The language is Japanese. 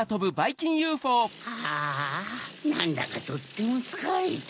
ハァなんだかとってもつかれた。